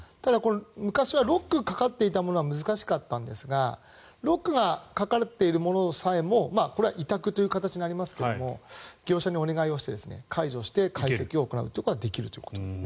昔はロックがかかっていたものは難しかったんですがロックがかかっているものさえもこれは委託という形になりますが業者にお願いして解除して解析を行うことができると。